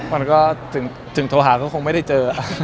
มันก็ถึงโทรหาก็คงไม่ได้เจอ